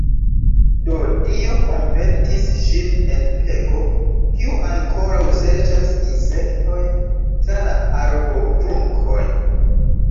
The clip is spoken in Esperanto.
Do, Dio konvertis ŝin en pego, kiu ankoraŭ serĉas insektojn tra la arbotrunkoj.